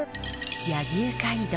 柳生街道